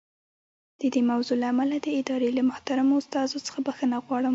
د دې موضوع له امله د ادارې له محترمو استازو څخه بښنه غواړم.